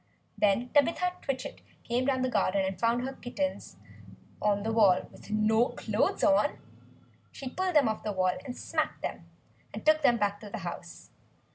Then Tabitha Twitchit came down the garden and found her kittens on the wall with no clothes on. She pulled them off the wall, smacked them, and took them back to the house.